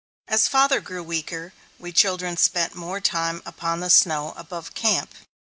As father grew weaker, we children spent more time upon the snow above camp.